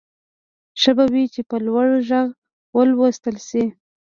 ښه به وي چې په لوړ غږ ولوستل شي.